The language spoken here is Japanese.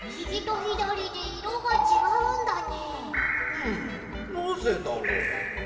ふむなぜだろう？